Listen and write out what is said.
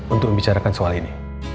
untuk membicarakan soal ini